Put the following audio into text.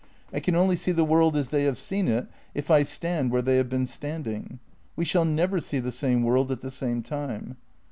I can only see the' world as they have seen it if I stand where they have been standing. We shall never see the same world at the same time.